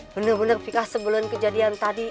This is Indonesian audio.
benar benar fikah sebelum kejadian tadi